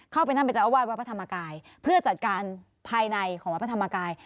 เข้าไปนั่งเป็นเจ้าอาวาสวัดพระธรรมกายเพื่อจัดการภายในของวัดพระธรรมกาย